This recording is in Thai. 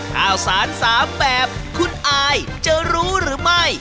ข้าวสาร๓แบบคุณอายจะรู้หรือไม่